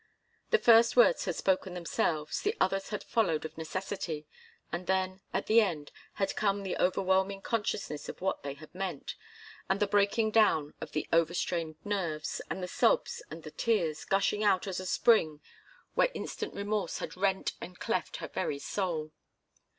The first words had spoken themselves, the others had followed of necessity, and then, at the end, had come the overwhelming consciousness of what they had meant, and the breaking down of the overstrained nerves, and the sobs and the tears, gushing out as a spring where instant remorse had rent and cleft her very soul.